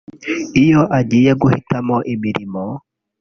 Iyo agiye guhitamo imirimo